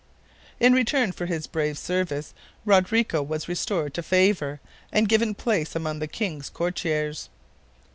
In return for his brave service Rodrigo was restored to favor and given place among the king's courtiers.